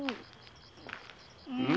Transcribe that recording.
うん。